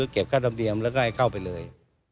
เก็บค่าธรรมเนียมแล้วก็ให้เข้าไปเลย